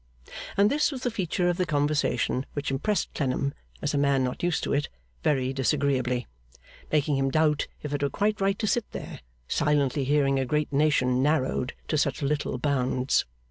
And this was the feature of the conversation which impressed Clennam, as a man not used to it, very disagreeably: making him doubt if it were quite right to sit there, silently hearing a great nation narrowed to such little bounds.